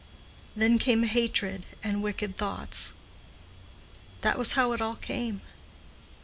Then came hatred and wicked thoughts. That was how it all came.